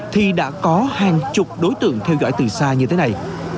thì đã có hàng chục đối tượng theo dõi từ xa như thế này